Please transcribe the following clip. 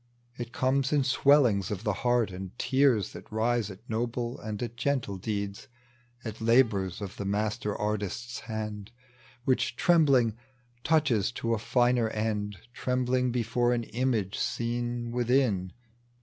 It comes in swellings of the heart and tears That rise at noble and at gentle deeds — At labors of the master artist's hand, Which, trembling, touches to a finer end, Trembling before an image seen within.